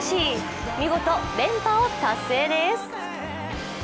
見事連覇を達成です。